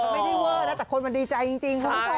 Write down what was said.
ไม่ได้เวอร์นะแต่คนมันดีใจจริงคุณผู้ชม